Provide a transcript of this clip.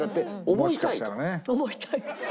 思いたい。